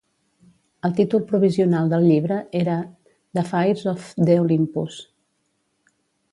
El títol provisional del llibre era "The Fires of the Olympus ".